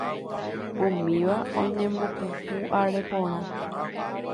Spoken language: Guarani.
Umíva oñembopupu are porã